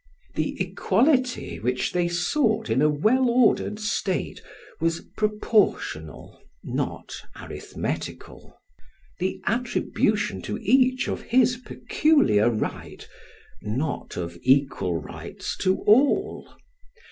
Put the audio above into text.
The "equality" which they sought in a well ordered state was proportional not arithmetical the attribution to each of his peculiar right, not of equal rights to all.